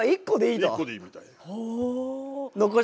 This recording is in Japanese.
１個でいいみたいな。